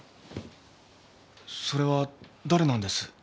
それは誰なんです？